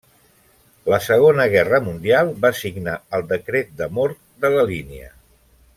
La Segona Guerra Mundial va signar el decret de mort de la línia.